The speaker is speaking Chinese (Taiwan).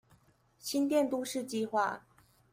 新店都市計畫